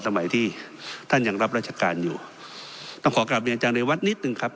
สมัยที่ท่านยังรับราชการอยู่ต้องขอกลับเรียนอาจารเรวัตนิดนึงครับ